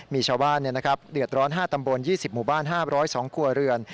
มีชาวบ้านเดือดร้อน๕ตำบล๒๐หมู่บ้าน๕๐๒ครัวเรือน